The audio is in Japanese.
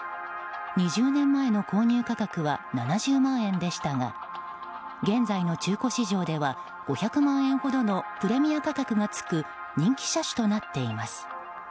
２０年前の購入価格は７０万円でしたが現在の中古市場では５００万円ほどのプレミア価格がつく人気車種となっています。